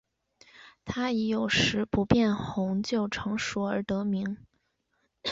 它以有时不变红就成熟而得名。